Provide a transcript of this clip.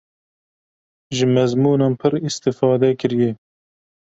ji mezmûnan pir îstîfade kiriye.